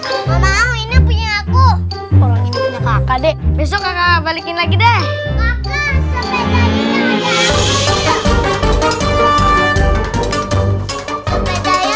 mau ini punya aku orangnya punya kakak besok kakak balikin lagi deh kakak sepedanya